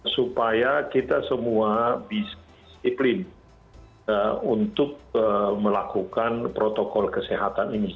supaya kita semua disiplin untuk melakukan protokol kesehatan ini